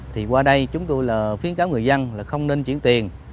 thì qua đây chúng tôi là khuyến cáo người dân là không nên chuyển tiền